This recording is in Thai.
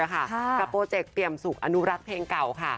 กับโปรเจกต์เตรียมสุขอนุรักษ์เพลงเก่า